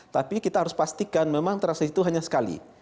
tapi kita harus pastikan memang transaksi itu hanya sekali